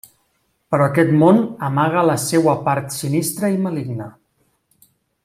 Però aquest món amaga la seua part sinistra i maligna.